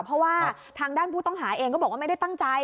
เพราะว่าทางด้านผู้ต้องหาเองก็บอกว่าไม่ได้ตั้งใจ